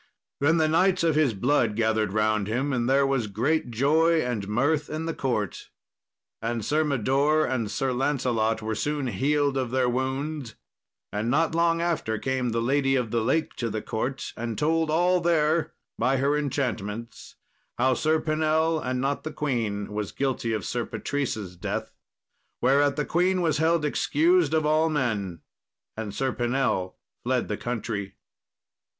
Then the knights of his blood gathered round him, and there was great joy and mirth in the court. And Sir Mador and Sir Lancelot were soon healed of their wounds; and not long after came the Lady of the Lake to the court, and told all there by her enchantments how Sir Pinell, and not the queen, was guilty of Sir Patrice's death. Whereat the queen was held excused of all men, and Sir Pinell fled the country.